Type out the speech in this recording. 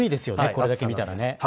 これだけ見たらね。